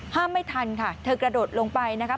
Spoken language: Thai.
ไม่ทันค่ะเธอกระโดดลงไปนะครับ